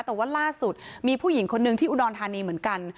แต่ว่าล่าสุดมีผู้หญิงคนนึงที่อุดรธานีเหมือนกัน